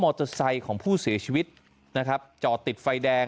เตอร์ไซค์ของผู้เสียชีวิตนะครับจอดติดไฟแดง